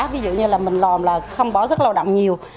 ví dụ như là mình lòm là không bỏ rất là lâu động nhiều